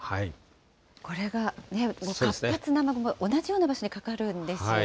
これが、活発な雨雲が同じような場所にかかるんですよね。